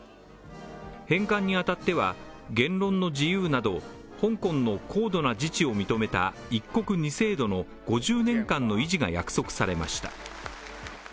返還に当たっては、言論の自由など香港の高度な自治を認めた一国二制度の５０年間の維持が約束されました。